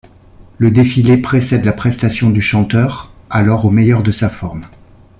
Le défilé précède la prestation du chanteur, alors au meilleur de sa forme.